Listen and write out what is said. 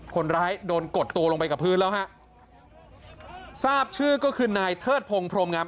คนร้ายโดนกดตัวลงไปกับพื้นแล้วฮะทราบชื่อก็คือนายเทิดพงศ์พรมงาม